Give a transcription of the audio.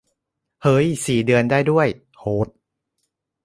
เหย สี่เดือนได้ด้วย โหด